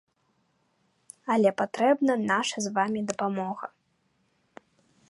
Але патрэбна наша з вамі дапамога.